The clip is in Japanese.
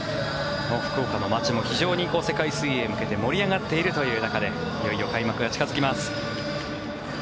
福岡の街も非常に世界水泳へ向けて盛り上がっているという中でいよいよ開幕が近付きます。